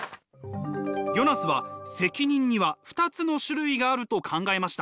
ヨナスは責任には２つの種類があると考えました。